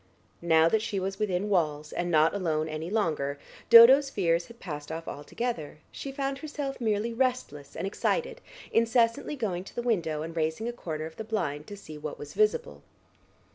Now that she was within walls and not alone any longer Dodo's fears had passed off altogether; she found herself merely restless and excited, incessantly going to the window and raising a corner of the blind to see what was visible.